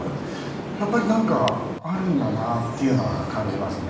やっぱりなんかあるんだなっていうのは感じますね。